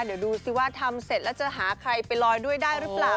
เดี๋ยวดูสิว่าทำเสร็จแล้วจะหาใครไปลอยด้วยได้หรือเปล่า